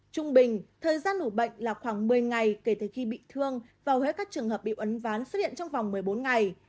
trung bình thời gian ủ bệnh là khoảng một mươi ngày kể từ khi bị thương vào hết các trường hợp bị ấn ván xuất hiện trong vòng một mươi bốn ngày